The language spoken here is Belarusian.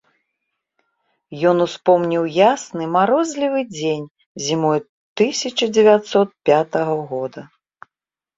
Ён успомніў ясны марозлівы дзень зімою тысяча дзевяцьсот пятага года.